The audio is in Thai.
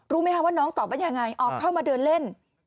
รู้ไหมคะว่าน้องตอบว่ายังไงออกเข้ามาเดินเล่น